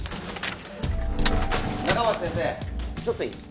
仲町先生ちょっといい？